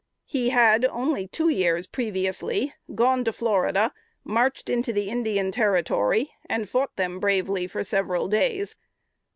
He had only two years previously gone to Florida, marched into the Indian Territory, and fought them bravely for several days.